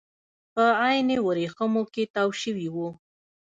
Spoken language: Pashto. په عین ورېښمو کې تاو شوي وو.